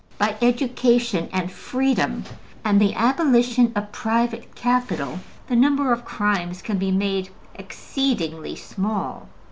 By education and freedom and the abolition of private capital the number of crimes can be made exceedingly small.